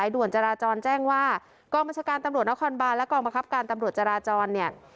ด่วนจราจรแจ้งว่ากองบัญชาการตำรวจนครบานและกองบังคับการตำรวจจราจรเนี่ย